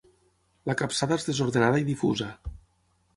La capçada és desordenada i difusa.